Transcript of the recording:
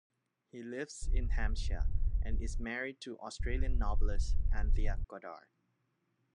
He lives in Hampshire and is married to Australian novelist Anthea Goddard.